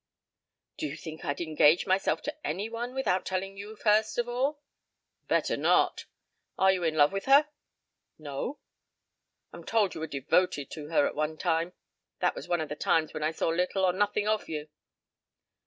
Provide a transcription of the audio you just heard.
"Do you think I'd engage myself to any one without telling you first of all?" "Better not. Are you in love with her?" "No." "I'm told you were devoted to her at one time. That was one of the times when I saw little or nothing of you."